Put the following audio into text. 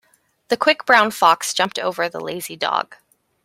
The quick brown fox jumped over the lazy dog.